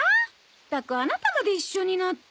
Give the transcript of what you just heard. ったくアナタまで一緒になって。